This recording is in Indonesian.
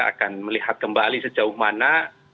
akan melihat kembali sejauh mana